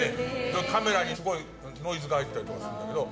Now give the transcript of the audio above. カメラに、すごいノイズが入ったりとかするんだけど。